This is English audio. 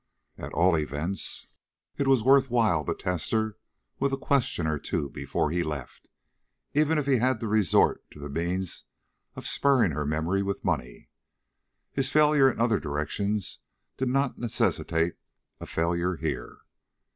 At all events, it was worth while to test her with a question or two before he left, even if he had to resort to the means of spurring her memory with money. His failure in other directions did not necessitate a failure here.